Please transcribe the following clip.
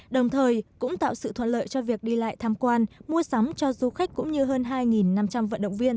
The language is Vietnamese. đồng thời cũng tạo sự thuận lợi cho việc đi lại tham quan mua sắm cho du khách cũng như hơn hai năm trăm linh vận động viên